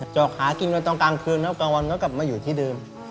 จอกหากินกันตอนกลางคืนแล้วกลางวันก็กลับมาอยู่ที่เดิม